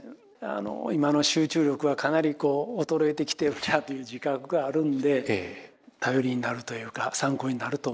今の集中力はかなりこう衰えてきてるなという自覚があるんで頼りになるというか参考になると思いますね。